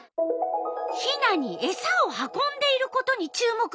ヒナにエサを運んでいることに注目したんだね。